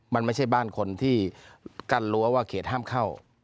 มันไม่ใช่บ้านคนที่กั้นรั้วว่าเขตห้ามเข้า